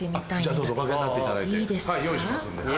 どうぞお掛けになっていただいて用意しますんで。